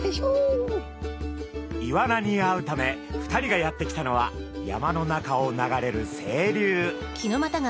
イワナに会うため２人がやって来たのは山の中を流れる清流。